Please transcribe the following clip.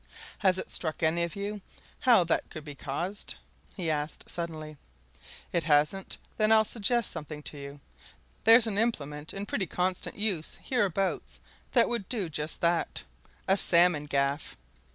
"Has it struck any of you how that could be caused?" he asked suddenly. "It hasn't? Then I'll suggest something to you. There's an implement in pretty constant use hereabouts that would do just that a salmon gaff!"